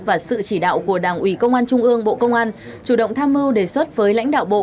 và sự chỉ đạo của đảng ủy công an trung ương bộ công an chủ động tham mưu đề xuất với lãnh đạo bộ